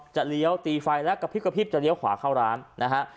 เลี้ยวตีไฟและกระพริบกระพริบจะเลี้ยวขวาเข้าร้านนะฮะ